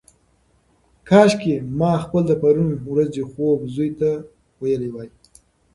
کاشکي ما خپل د پرون ورځې خوب زوی ته ویلی وای.